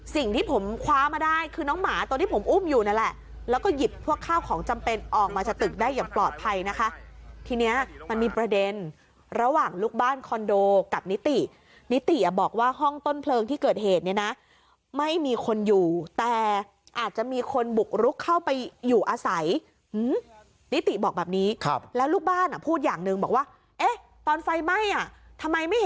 สิ่งที่ผมคว้ามาได้คือน้องหมาตัวที่ผมอุ้มอยู่นั่นแหละแล้วก็หยิบพวกข้าวของจำเป็นออกมาจากตึกได้อย่างปลอดภัยนะคะทีนี้มันมีประเด็นระหว่างลูกบ้านคอนโดกับนิตินิติอ่ะบอกว่าห้องต้นเพลิงที่เกิดเหตุเนี่ยนะไม่มีคนอยู่แต่อาจจะมีคนบุกรุกเข้าไปอยู่อาศัยนิติบอกแบบนี้ครับแล้วลูกบ้านอ่ะพูดอย่างหนึ่งบอกว่าเอ๊ะตอนไฟไหม้อ่ะทำไมไม่เห็น